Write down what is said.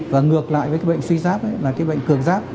và ngược lại với cái bệnh suy giáp ấy là cái bệnh cường giáp